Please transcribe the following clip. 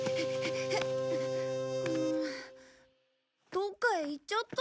どっかへ行っちゃった。